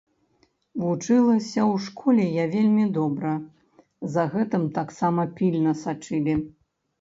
Вучылася ў школе я вельмі добра, за гэтым таксама пільна сачылі.